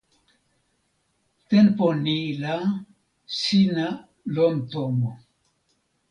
tenpo ni la, sina lon tomo.